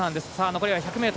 残り１００ｍ。